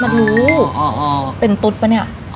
รู้เป็นตุ๊ดปะเนี่ย